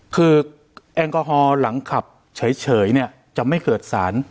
คือแอลกอฮอล์หลังขับเฉยเนี่ยจะไม่เกิดสาร